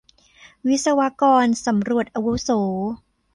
วิศวกรสำรวจอาวุโส